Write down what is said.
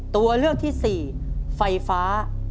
ตัวเลือกที่๔ไฟฟ้า